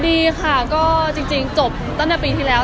ดีค่ะก็จริงจบตั้งแต่ปีที่แล้ว